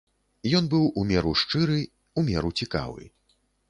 Ён быў у меру шчыры, у меру цікавы.